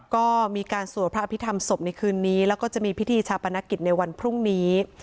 ก็มีการสวดพระอภิษฐรรมศพในคืนนี้แล้วก็จะมีพิธีชาปนกิจในวันพรุ่งนี้